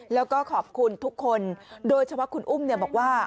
แล้วก็ขอบคุณทุกคนโดยเฉพาะคุณอุ้มบอกว่า